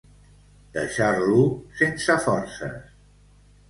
Deixar-lo sense forces.